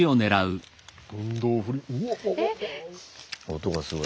音がすごい。